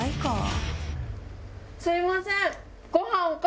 すいません。